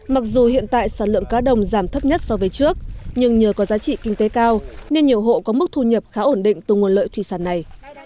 mặc dù hiện tại sản lượng cá đồng giảm thấp nhất so với trước nhưng nhờ có giá trị kinh tế cao nên nhiều hộ có mức thu nhập khá ổn định từ nguồn lợi thủy sản này